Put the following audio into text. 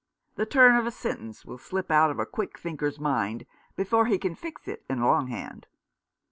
The turn of a sentence will slip out of a quick thinker's mind before he can fix it in long hand.